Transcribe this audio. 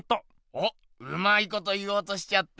おっうまいこと言おうとしちゃって。